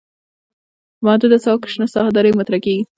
په محدودو ساحو کې شنه ساحه درې متره کیږي